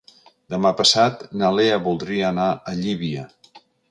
Demà passat na Lea voldria anar a Llívia.